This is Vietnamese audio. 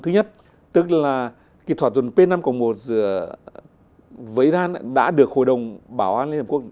thứ nhất tức là kỹ thuật dùng p năm một với iran đã được hội đồng bảo an liên hợp quốc